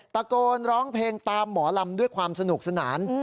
ตะโกนร้องเพลงตามหมอลำด้วยความสนุกสนาน